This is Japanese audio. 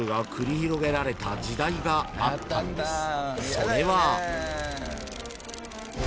［それは］